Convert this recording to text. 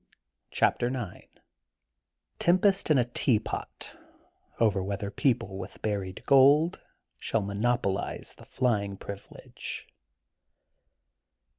CHAPTER IX TEMPEST IN A, TEAPOT OVER WHETHER PEOPLE WITH BURIED GOLD SHALL MONOPOLIZE THE FLYING PRIVILEGE.